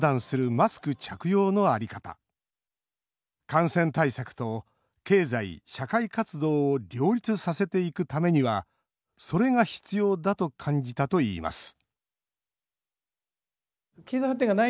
感染対策と経済・社会活動を両立させていくためにはそれが必要だと感じたといいます